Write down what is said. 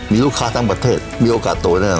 มีลูกค้าทั้งประเทศมีโอกาสโตแน่